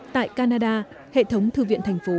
tại canada hệ thống thư viện thành phố